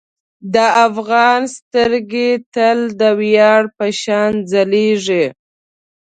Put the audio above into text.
د افغان سترګې تل د ویاړ په شان ځلیږي.